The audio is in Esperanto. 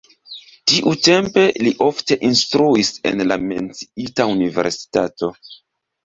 Tiutempe li ofte instruis en la menciita universitato.